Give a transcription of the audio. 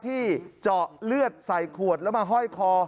ที่เจาะเลือดใส่ขวดแล้วมาห้อยคอ